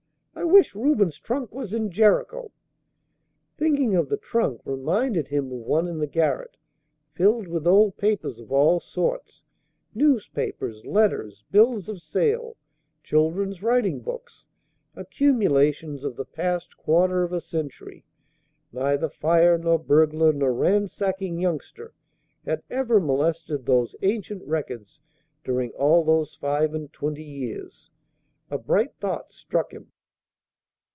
I wish Reuben's trunk was in Jericho!" Thinking of the trunk reminded him of one in the garret, filled with old papers of all sorts, newspapers, letters, bills of sale, children's writing books, accumulations of the past quarter of a century. Neither fire nor burglar nor ransacking youngster had ever molested those ancient records during all those five and twenty years. A bright thought struck him.